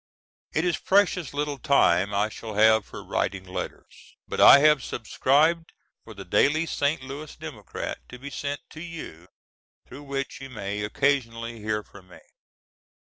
It is precious little time I shall have for writing letters, but I have subscribed for the Daily St. Louis Democrat to be sent to you, through which you may occasionally hear from me.